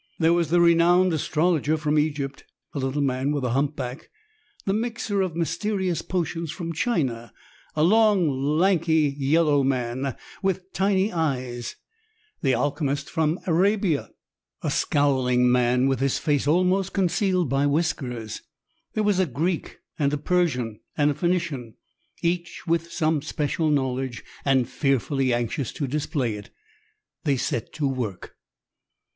There was the renowned astrologer from Egypt, a little man with a humpback; the mixer of mysterious potions from China, a long, lank yellow man, with tiny eyes; the alchemist from Arabia, a scowling man with his face almost concealed by whiskers; there was a Greek and a Persian and a Phoenician, each with some special knowledge and fearfully anxious to display it. They set to work.